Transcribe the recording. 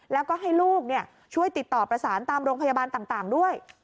แล้วก็ให้ลูกช่วยติดต่อประสานตามโรงพยาบาลต่างด้วย